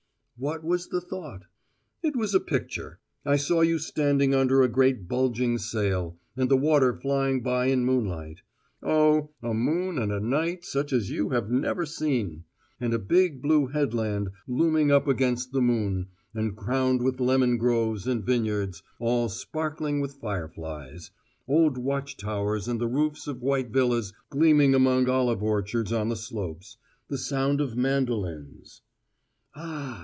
"What was the thought?" "It was a picture: I saw you standing under a great bulging sail, and the water flying by in moonlight; oh, a moon and a night such as you have never seen! and a big blue headland looming up against the moon, and crowned with lemon groves and vineyards, all sparkling with fireflies old watch towers and the roofs of white villas gleaming among olive orchards on the slopes the sound of mandolins " "Ah!"